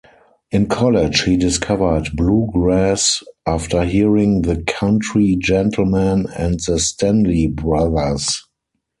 In college, he discovered bluegrass after hearing The Country Gentlemen and The Stanley Brothers.